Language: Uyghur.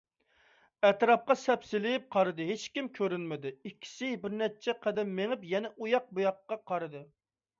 ئەتراپقا سەپسېلىپ قارىدى، ھېچكىم كۆرۈنمىدى، ئىككىسى بىرنەچچە قەدەم مېڭىپ، يەنە ئۇياق - بۇياققا قارىدى.